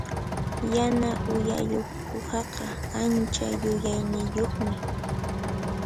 Yana uyayuq uhaqa ancha yuyayniyuqmi.